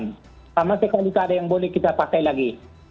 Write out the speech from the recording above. pertama sekali tak ada yang boleh kita pakai lagi